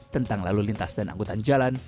tentang lalu lintas dan angkutan jalan